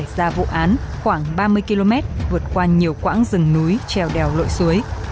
gia vụ án khoảng ba mươi km vượt qua nhiều quãng rừng núi treo đèo lội suối